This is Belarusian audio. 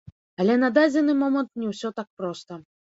Але на дадзены момант не ўсё так проста.